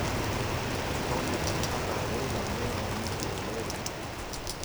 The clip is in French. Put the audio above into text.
Dans le clip apparait la meilleure amie de Lorie.